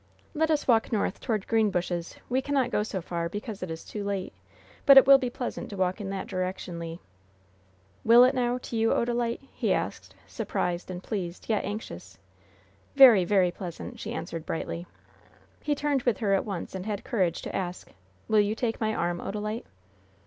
"Let us walk north, toward Greenbushes. We cannot go so far, because it is too late, but it will be pleasant to walk in that direction, Le," she said. "Will it, now? To you, Odalite?" he asked, surprised and pleased, yet anxious. "Very, very pleasant," she answered, brightly. He turned with her at once, and had courage to ask: "Will you take my arm, Odalite?"